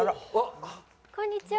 こんにちは。